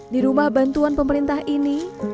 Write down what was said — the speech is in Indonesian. di rumah bantuan pemerintah ini